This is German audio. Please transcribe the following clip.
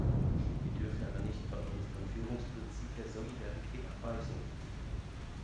Wir dürfen aber nicht von unserem Führungsprinzip der Solidarität abweichen.